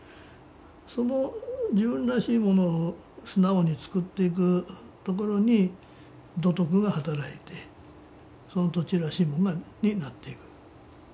その自分らしいものを素直に作っていくところに土徳が働いてその土地らしいものになっていく。